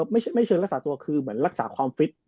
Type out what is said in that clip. ไม่ใช่รักษาตัวคือรักษาความฟิต